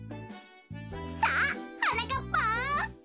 さあはなかっぱん！